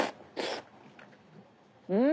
うん！